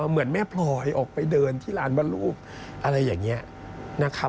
เหมือนแม่พลอยออกไปเดินที่ร้านว่ารูปอะไรอย่างนี้นะครับ